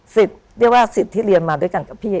สิทธิ์ที่เรียนมาด้วยกันกับพี่